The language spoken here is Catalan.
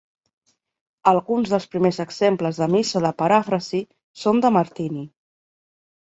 Alguns dels primers exemples de missa de paràfrasi són de Martini.